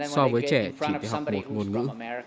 so với trẻ chỉ học một ngôn ngữ